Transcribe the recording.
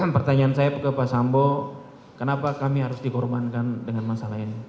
pertanyaan saya ke pak sambo kenapa kami harus dikorbankan dengan masalah ini